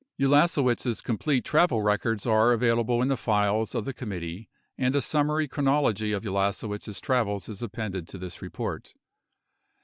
8 Ulasewicz' complete travel records are available in the files of the committee and a summary chronology of Ulasewicz' travels is appended to this report.